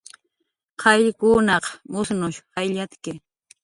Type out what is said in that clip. Qayllkunaq musnush jayllatki